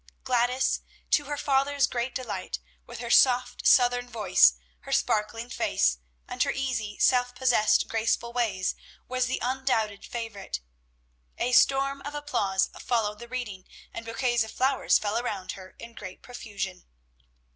Gladys, to her father's great delight, with her soft Southern voice, her sparkling face, and her easy, self possessed, graceful ways, was the undoubted favorite. A storm of applause followed the reading, and bouquets of flowers fell around her in great profusion.